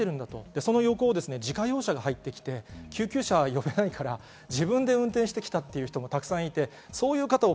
その横を自家用車が入ってきて、救急車を呼べないから自分で運転してきたという人もたくさんいて、そういう方を